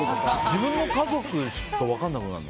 自分の家族が分からなくなるの？